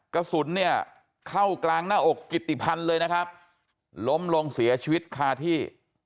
กระสุนเนี่ยเข้ากลางหน้าอกกิติพันธ์เลยนะครับล้มลงเสียชีวิตคาที่